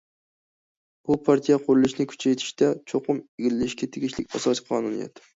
بۇ پارتىيە قۇرۇلۇشىنى كۈچەيتىشتە چوقۇم ئىگىلەشكە تېگىشلىك ئاساسىي قانۇنىيەت.